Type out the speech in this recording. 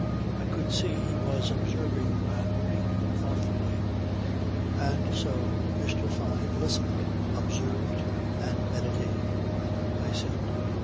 I could see he was observing the man very thoughtfully." "And so, Mr. Fyne listened, observed and meditated," I said.